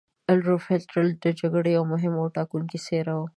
اډولف هیټلر د دې جګړې یوه مهمه او ټاکونکې څیره وه.